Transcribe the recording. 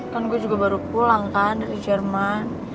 kan gue juga baru pulang kan dari jerman